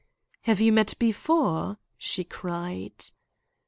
"Have you met before?" she cried.